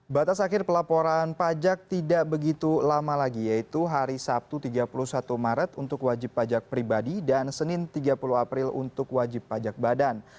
batas akhir pelaporan pajak tidak begitu lama lagi yaitu hari sabtu tiga puluh satu maret untuk wajib pajak pribadi dan senin tiga puluh april untuk wajib pajak badan